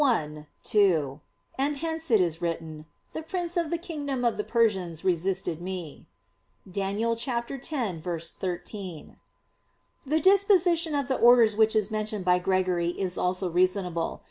i, 2); and hence it is written, "The prince of the kingdom of the Persians resisted me" (Dan. 10:13). The disposition of the orders which is mentioned by Gregory is also reasonable.